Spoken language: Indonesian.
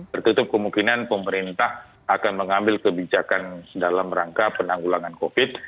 tertutup kemungkinan pemerintah akan mengambil kebijakan dalam rangka penanggulangan covid